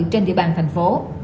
trên địa bàn tp hcm